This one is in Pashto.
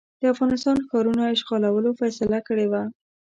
د افغانستان ښارونو اشغالولو فیصله کړې وه.